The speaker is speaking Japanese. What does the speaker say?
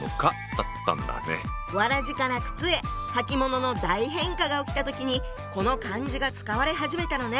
草鞋から靴へ履物の大変化が起きた時にこの漢字が使われ始めたのね。